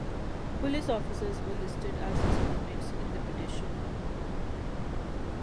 Police officers were listed as respondents in the petition.